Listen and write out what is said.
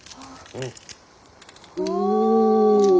うん。